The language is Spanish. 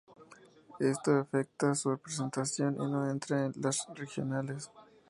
Esto afecta su presentación y no entra en las regionales.